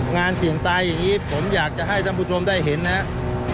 งานเสี่ยงตายอย่างนี้ผมอยากจะให้ท่านผู้ชมได้เห็นนะครับ